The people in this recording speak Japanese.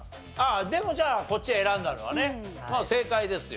でもじゃあこっち選んだのはね正解ですよ。